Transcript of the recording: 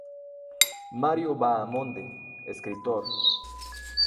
Mario Bahamonde, Escritor.